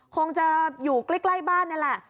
คงจะอยู่ใกล้บ้านนี่แหละ